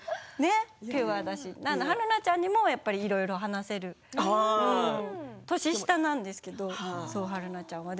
ピュアだし春菜ちゃんにもいろいろ話せる年下なんですけど春菜ちゃんは。